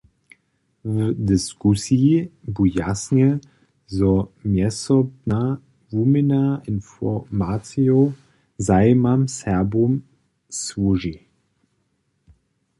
W diskusiji bu jasnje, zo mjezsobna wuměna informacijow zajimam Serbow słuži.